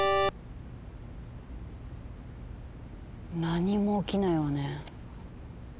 何も起きないわね。